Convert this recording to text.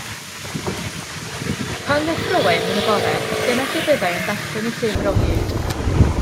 Pan ddeffroem yn y bore, dyna lle byddai yn darllen y llyfr o hyd.